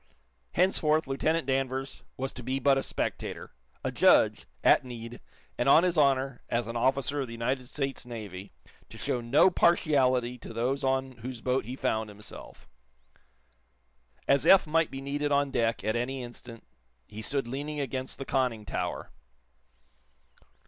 Henceforth, Lieutenant Danvers was to be but a spectator a judge, at need, and on his honor, as an officer of the United States Navy, to show no partiality to those on whose boat he found himself. As Eph might be needed on deck, at any instant, he stood leaning against the conning tower.